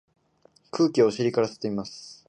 空気をお尻から吸ってみます。